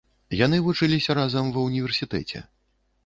Яны вучыліся разам ва ўніверсітэце.